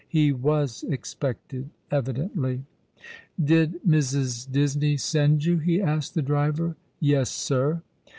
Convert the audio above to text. Ho was expected, evidently. " Did Mrs. Disney send you ?" he asked the_driver. " Yes, sir."